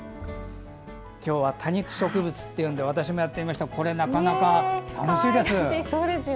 今日は多肉植物というので私もやってみましたがこれ、なかなか楽しいです。